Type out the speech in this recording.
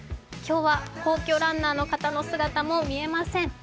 今日は皇居ランナーの人の姿も見えません。